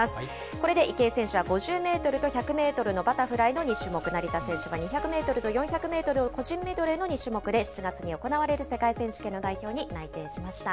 これで池江選手は５０メートルと１００メートルのバタフライの２種目、成田選手が２００メートルと４００メートルの個人メドレーの２種目で、７月に行われる世界選手権の代表に内定しました。